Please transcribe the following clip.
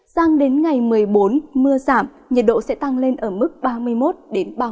sang đến ngày một mươi bốn mưa giảm nhiệt độ sẽ tăng lên ở mức ba mươi một ba mươi bốn độ